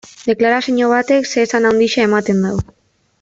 Deklarazio batek zeresan handia eman du.